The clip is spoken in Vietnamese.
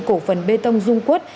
cổ phần bê tông dung quất